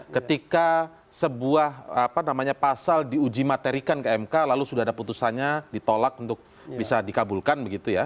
ketika sebuah pasal diuji materikan ke mk lalu sudah ada putusannya ditolak untuk bisa dikabulkan begitu ya